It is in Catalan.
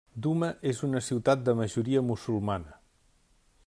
Duma és una ciutat de majoria musulmana.